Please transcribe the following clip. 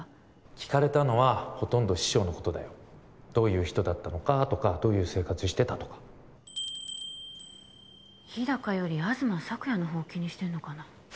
聞かれたのはほとんど師匠のことだよどういう人だったのかとかどういう生活してたとか日高より東朔也のほう気にしてんのかな？